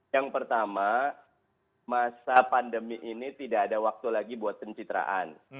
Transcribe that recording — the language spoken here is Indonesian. yang pertama masa pandemi ini tidak ada waktu lagi buat pencitraan